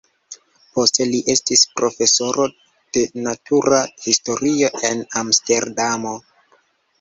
Poste li estis profesoro de natura historio en Amsterdamo.